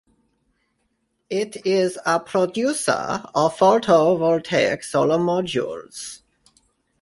It is a producer of photovoltaic solar modules.